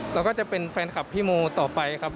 แล้วก็จะเป็นแฟนคลับพี่โมต่อไปครับ